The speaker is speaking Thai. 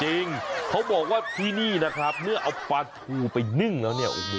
จริงเขาบอกว่าที่นี่นะครับเมื่อเอาประทูไปนึ่งแล้วเนี่ย